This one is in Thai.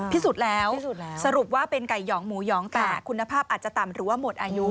พิสูจน์แล้วสรุปว่าเป็นไก่หองหมูหยองแต่คุณภาพอาจจะต่ำหรือว่าหมดอายุ